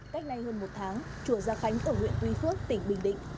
cách đây hơn một tháng chùa gia khánh ở huyện tuy phước tỉnh bình định